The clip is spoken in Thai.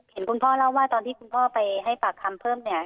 เห็นคุณพ่อเล่าว่าตอนที่คุณพ่อไปให้ปากคำเพิ่มเนี่ย